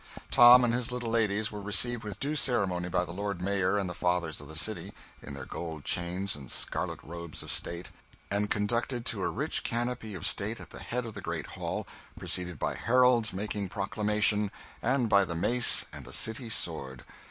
Tom and his little ladies were received with due ceremony by the Lord Mayor and the Fathers of the City, in their gold chains and scarlet robes of state, and conducted to a rich canopy of state at the head of the great hall, preceded by heralds making proclamation, and by the Mace and the City Sword.